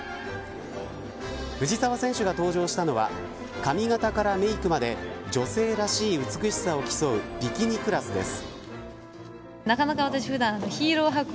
藤澤選手が登場したのは髪型からメークまで女性らしい美しさを競うビキニクラスです。